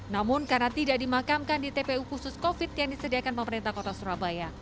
namun karena tidak dimakamkan di tpu khusus covid yang disediakan pemerintah kota surabaya